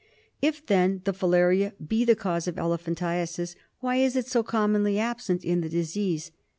If, then, the filaria be the cause of elephantiasis, why is it so commonly absent in the disease?